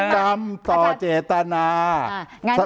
ต้องจิตนนา